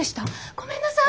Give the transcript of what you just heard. ごめんなさい！